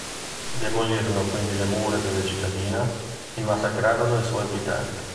Demolirono quindi le mura della cittadina e massacrarono i suoi abitanti.